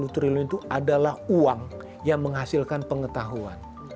empat ratus enam puluh triliun itu adalah uang yang menghasilkan pengetahuan